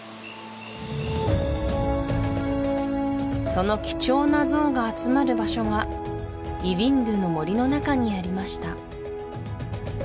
その貴重なゾウが集まる場所がイヴィンドゥの森の中にありました